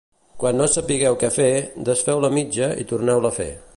Quan no sapigueu què fer, desfeu la mitja i torneu-la a fer.